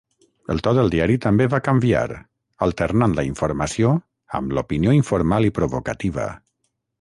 El to del diari també va canviar, alternant la informació amb l'opinió informal i provocativa.